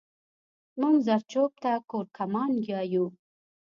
مونږ زرچوب ته کورکمان يايو